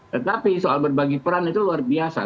tetapi soal berbagi peran itu luar biasa